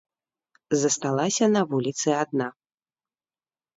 Засталася на вуліцы адна.